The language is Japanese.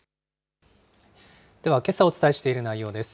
ではけさお伝えしている内容です。